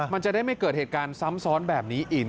มันจะได้ไม่เกิดเหตุการณ์ซ้ำซ้อนแบบนี้อีก